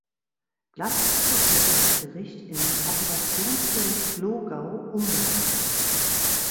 Gleichzeitig wurde das Gericht in Appellationsgericht Glogau umbenannt.